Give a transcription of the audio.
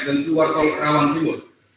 dan keluar tol rawang timur